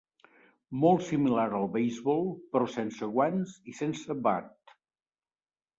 Molt similar al beisbol, però sense guants i sense bat.